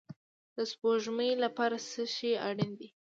د سپوږمۍ لپاره څه شی اړین دی؟